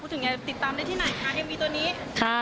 พูดถึงไปติดตามด้วยที่ไหนค่ะ